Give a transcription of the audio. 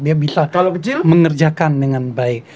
dia bisa mengerjakan dengan baik